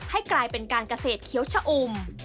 ให้กลายเป็นการเกษตรเขียวชะอุ่ม